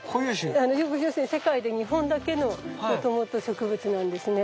要するに世界で日本だけのもともと植物なんですね。